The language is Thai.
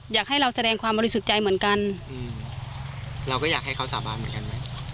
อยากให้เราแสดงความบริสุทธิ์ใจเหมือนกันอืมเราก็อยากให้เขาสาบานเหมือนกันไหม